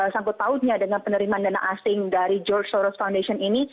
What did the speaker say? sangkut pautnya dengan penerimaan dana asing dari george soros foundation ini